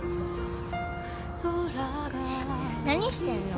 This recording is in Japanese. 何してんの？